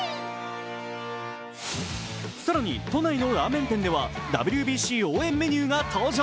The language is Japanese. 更に都内のラーメン店では、ＷＢＣ応援メニューが登場。